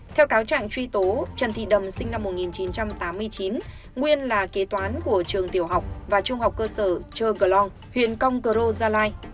theo cáo trạng truy tố trần thị đầm sinh năm một nghìn chín trăm tám mươi chín nguyên là kế toán của trường tiểu học và trung học cơ sở chơ glong huyện công cờ rô gia lai